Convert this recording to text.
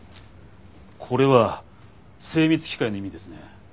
これは「精密機械」の意味ですね。